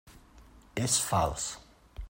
És fals.